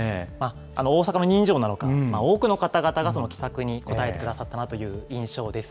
大阪の人情なのか、多くの方々が気さくに答えてくださったなという印象です。